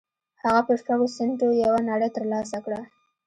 هغه په شپږو سينټو يوه نړۍ تر لاسه کړه.